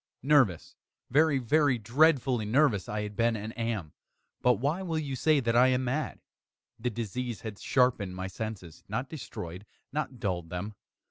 nervous very, very dreadfully nervous I had been and am; but why will you say that I am mad? The disease had sharpened my senses not destroyed not dulled them.